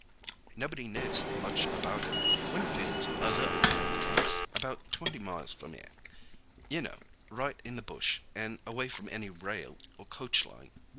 "Nobody knows much about it. "Winfield's a little bit of a place about twenty miles from 'ere, you know—right in the bush and away from any rail or coach line.